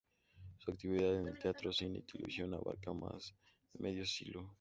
Su actividad en teatro, cine y televisión abarca más de medio siglo.